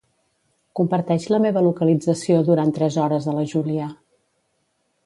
Comparteix la meva localització durant tres hores a la Júlia.